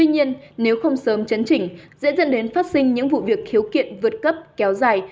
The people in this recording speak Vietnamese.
nếu không sớm chấn chỉnh dễ dần đến phát sinh những vụ việc khiếu kiện vượt cấp kéo dài